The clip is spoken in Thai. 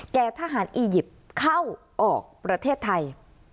ทหารอียิปต์เข้าออกประเทศไทย